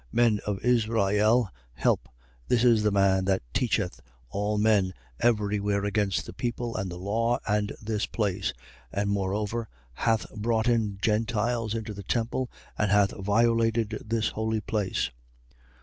Men of Israel, help: This is the man that teacheth all men every where against the people and the law and this place; and moreover hath brought in Gentiles into the temple and hath violated this holy place.